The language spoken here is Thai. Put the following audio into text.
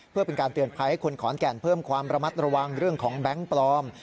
เพื่อเป็นการเตือนภัยให้คนขอนแก่นเพิ่มความระมัดระวังเรื่องของแบงค์ปลอม